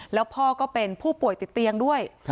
แล้วพ่อก็เป็นผู้ป่วยติดเตียงด้วย